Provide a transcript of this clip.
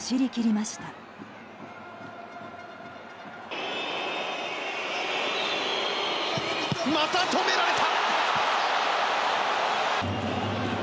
また止められた。